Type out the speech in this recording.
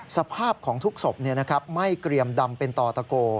สภาพของทุกศพไม่เกรียมดำเป็นต่อตะโก